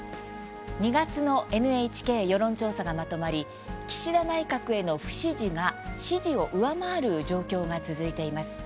２月のＮＨＫ世論調査がまとまり岸田内閣への不支持が支持を上回る状況が続いています。